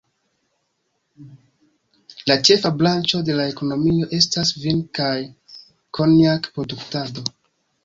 La ĉefa branĉo de la ekonomio estas vin- kaj konjak-produktado.